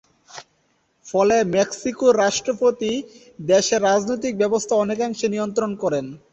ফলে মেক্সিকোর রাষ্ট্রপতি দেশের রাজনৈতিক ব্যবস্থা অনেকাংশেই নিয়ন্ত্রণ করেন।